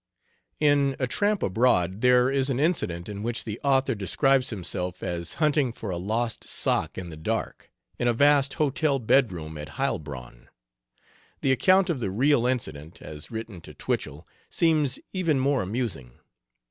In 'A Tramp Abroad' there is an incident in which the author describes himself as hunting for a lost sock in the dark, in a vast hotel bedroom at Heilbronn. The account of the real incident, as written to Twichell, seems even more amusing.